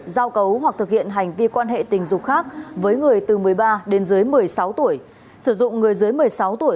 giao cấu hoặc thực hiện hành vi quan hệ tình dục khác với người từ một mươi ba đến dưới một mươi sáu tuổi sử dụng người dưới một mươi sáu tuổi